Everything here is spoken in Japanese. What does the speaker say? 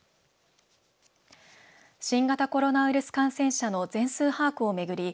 新型コロナウイルス感染者の全数把握を巡り